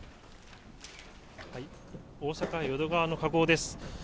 大阪・淀川の河口です。